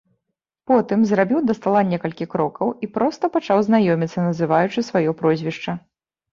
Потым зрабіў да стала некалькі крокаў і проста пачаў знаёміцца, называючы сваё прозвішча.